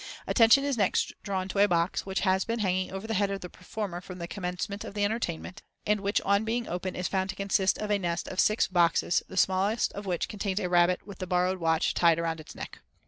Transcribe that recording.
Attention is next drawn to a box, which has been hanging over the head of the performer from the commencement of the entertainment, and which on being opened is found to consist of a nest of six boxes, the smallest of which contains a rabbit with the borrowed watch tied round its neck.